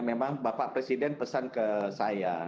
memang bapak presiden pesan ke saya